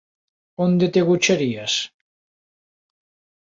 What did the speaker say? Onde te agocharías?